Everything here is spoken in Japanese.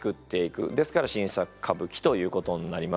ですから新作歌舞伎ということになります。